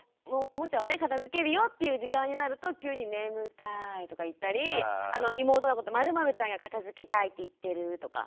おもちゃをね片づけるよっていう時間になると急に「眠たい」とか言ったり妹のこと「○○ちゃんが片づけたいって言ってる」とか。